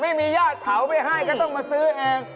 ไม่มีญาติเผาไปให้ก็ต้องมาซื้อเอง